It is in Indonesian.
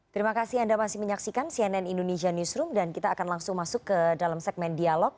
terima kasih anda masih menyaksikan cnn indonesia newsroom dan kita akan langsung masuk ke dalam segmen dialog